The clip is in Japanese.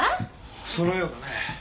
そのようだね。